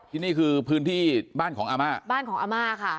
นี่คือพื้นที่บ้านของอาม่าบ้านของอาม่าค่ะ